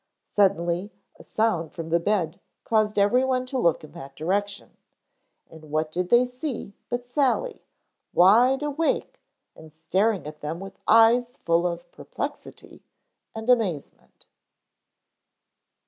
Suddenly a sound from the bed caused everyone to look in that direction. And what did they see but Sally, wide awake and staring at them with eyes full of perplexity and amazement.